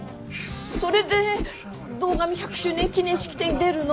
それで堂上１００周年記念式典に出るの？